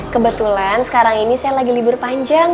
kebetulan sekarang ini saya lagi libur panjang